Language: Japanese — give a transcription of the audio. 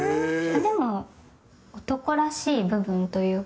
でも男らしい部分というか。